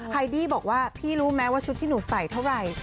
ไฮดี้บอกว่าพี่รู้ไหมว่าชุดที่หนูใส่เท่าไหร่